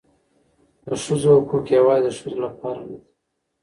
د ښځو حقوق یوازې د ښځو لپاره نه دي.